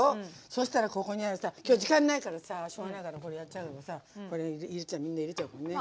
そしたらここにある今日時間ないからさしょうがないからこれやっちゃうけどさこれ入れちゃうみんな入れちゃうのね。